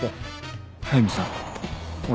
速見さん俺